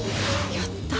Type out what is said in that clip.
やった！